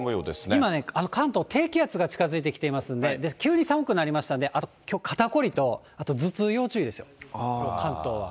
今ね、関東、低気圧が近づいてきていますので、急に寒くなりましたので、あと、きょう肩凝りと、あと頭痛、要注意ですよ、関東は。